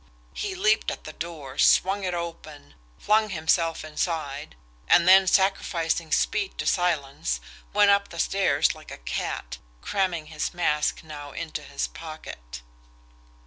He leaped at the door, swung it open, flung himself inside and then sacrificing speed to silence, went up the stairs like a cat, cramming his mask now into his pocket.